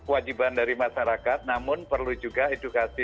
wajiban dari masyarakat namun perlu juga edukasi